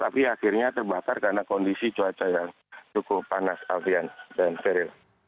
tapi akhirnya terbakar karena kondisi cuaca yang cukup panas alfian dan steril